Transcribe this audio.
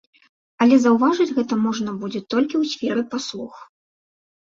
Але заўважыць гэта можна будзе толькі ў сферы паслуг.